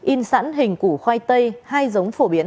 in sẵn hình củ khoai tây hai giống phổ biến